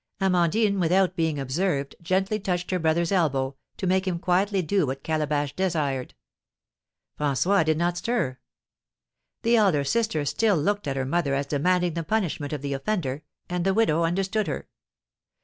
Amandine, without being observed, gently touched her brother's elbow, to make him quietly do what Calabash desired. François did not stir. The elder sister still looked at her mother as demanding the punishment of the offender, and the widow understood her.